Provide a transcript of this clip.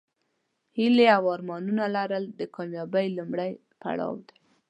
هیلې او ارمانونه لرل د کامیابۍ لومړۍ پوړۍ ده.